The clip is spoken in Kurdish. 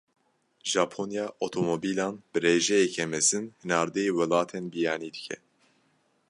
Japonya, otomobîlan bi rêjeyeke mezin hinardeyî welatên biyanî dike.